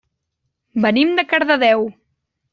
Venim de Cardedeu.